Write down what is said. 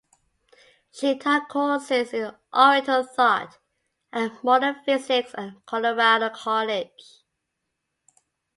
She taught courses in Oriental thought and modern physics at Colorado College.